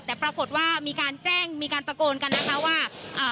แต่ปรากฏว่ามีการแจ้งมีการตะโกนกันนะคะว่าอ่า